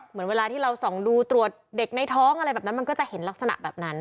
เหมือนเวลาที่เราส่องดูตรวจเด็กในท้องอะไรแบบนั้นมันก็จะเห็นลักษณะแบบนั้น